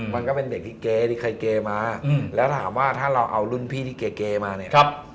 มันก็เป็นเด็กที่เก๋ที่เคยเกย์มาแล้วถามว่าถ้าเราเอารุ่นพี่ที่เกมาเนี่ย